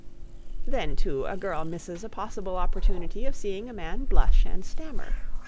Then, too, a girl misses a possible opportunity of seeing a man blush and stammer.